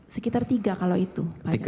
sekitar tiga kalau itu